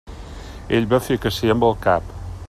Ell va fer que sí amb el cap.